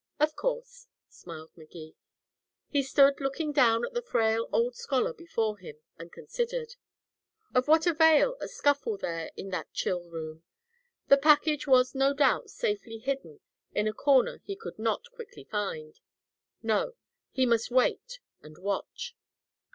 "Of course," smiled Magee. He stood looking down at the frail old scholar before him, and considered. Of what avail a scuffle there in that chill room? The package was no doubt safely hidden in a corner he could not quickly find. No he must wait, and watch.